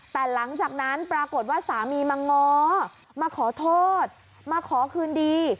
แต่หลังจากนั้นปรากฏว่าสามีมาง้อมาขอโทษมาขอคืนดี